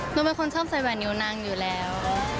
หนูเป็นคนชอบใส่แหวนนิ้วนางอยู่แล้ว